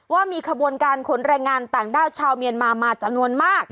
ว่ามีขบวนการขนแรงงานต่างด้าวชาวเมียนมามาจำนวนมาก